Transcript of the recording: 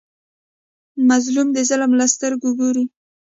مظلوم د ظالم له سترګو ګوري.